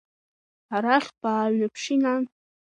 Арахь бааҩнаԥши, нан!